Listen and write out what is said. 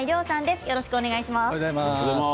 よろしくお願いします。